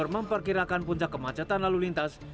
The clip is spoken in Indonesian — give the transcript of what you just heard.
memperkirakan puncak kemacetan lalu lintas